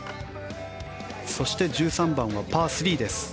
そして、１３番はパー３です。